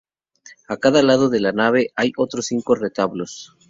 A cada lado de la nave hay otros cinco retablos.